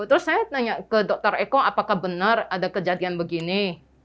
terus saya tanya ke dokter eko apakah benar ada kejadian begini